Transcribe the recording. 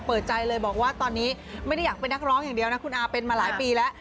เปิดใจเลยบอกว่าตอนนี้ไม่ได้อยากเป็นนักร้องอย่างเดียวนะคุณอาเป็นมาหลายปีแล้ว